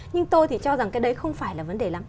nhưng tôi thì cho rằng cái đấy không phải là vấn đề lắm